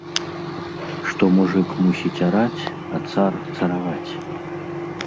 Што мужык мусіць араць, а цар цараваць!